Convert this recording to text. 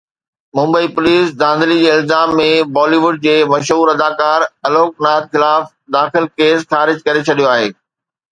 Mumbai police دھاندلي جي الزام ۾ بالي ووڊ جي مشهور اداڪار الوڪ ناٿ خلاف داخل ڪيس خارج ڪري ڇڏيو آهي.